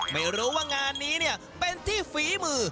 ไม่รู้ว่างานนี้เนี่ยเป็นที่ฝีมือ